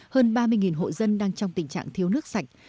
hơn ba mươi hộ dân đang trong tình trạng thiếu nước sạch